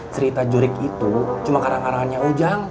cerita jurik itu cuma karang karangannya ujang